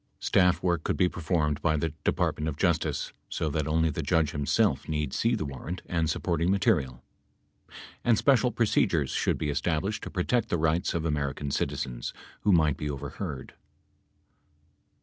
Staff work could be performed by the Department of Justice, so that only the judge himself need see the 106 warrant and supporting material. And special procedures should be established to protect the rights of American citizens who might be overheard.